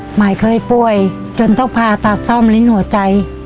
หมายเคยป่วยจนต้องการอาทารณ์นิ้นหัวใจ